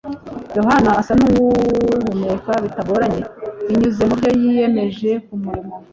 Yohana asa nuwuhumeka bitagoranye binyuze mubyo yiyemeje kumurimo